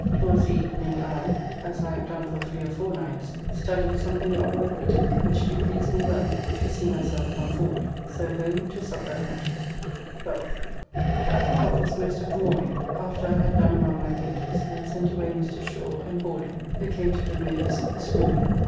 Towards the evening I, as I have done for three or four nights, studying something of Arithmetique, which do please me well to see myself come forward. So home, to supper, and to bed. 12th. At my office most of the morning, after I had done among my painters, and sent away Mr. Shaw and Hawly, who came to give me a visit this morning.